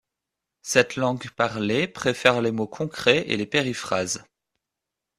Cette langue parlée préfère les mots concrets et les périphrases.